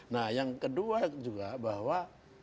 nah yang kedua juga bahwa